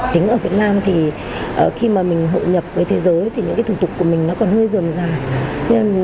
tính ở việt nam thì khi mà mình hội nhập với thế giới thì những cái thủ tục của mình nó còn hơi dườm dài